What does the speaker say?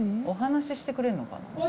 お話してくれんのかな？